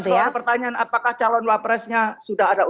soal pertanyaan apakah calon wapresnya sudah ada